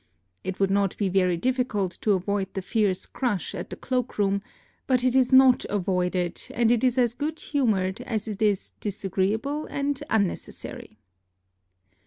It would not be very difficult to avoid the fierce crush at the cloak room; but it is not avoided, and it is as good humored as it is disagreeable and unnecessary.